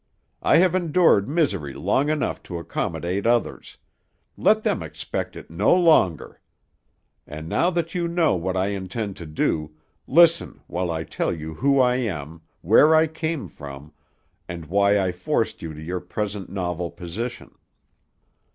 I have endured misery long enough to accommodate others; let them expect it no longer! And now that you know what I intend to do, listen while I tell you who I am, where I came from, and why I forced you to your present novel position."